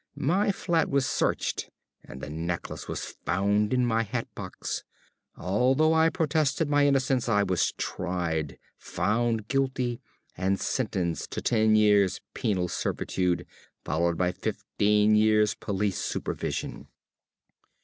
My flat was searched and the necklace was found in my hatbox. Although I protested my innocence I was tried, found guilty, and sentenced to ten years' penal servitude, followed by fifteen years' police supervision.